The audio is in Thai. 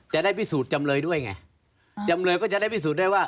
จะได้พิสูจน์จำเลยด้วยไงจำเลยก็จะได้พิสูจน์ได้ว่า